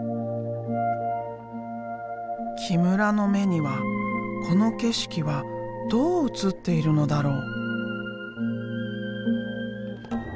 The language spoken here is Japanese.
木村の目にはこの景色はどう映っているのだろう？